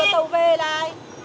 tàu về lại